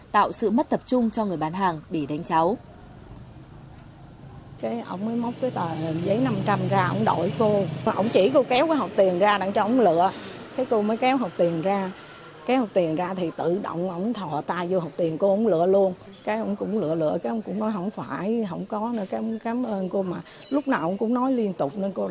tạo sự mất tập trung cho người bán hàng để đánh cháu